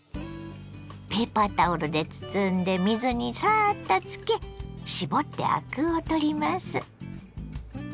ペーパータオルで包んで水にサッとつけ絞ってアクを取ります。